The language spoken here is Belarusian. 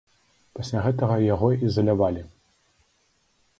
Пасля гэтага яго ізалявалі.